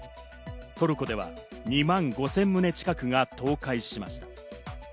トルコでは２万５０００棟近くが倒壊しました。